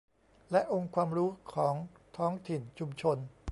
และองค์ความรู้ของท้องถิ่นชุมชน